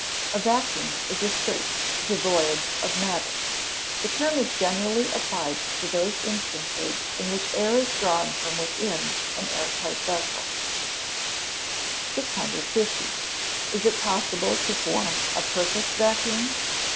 _ A vacuum is a space devoid of matter. The term is generally applied to those instances in which air is drawn from within an air tight vessel. 650. _Is it possible to form a perfect vacuum?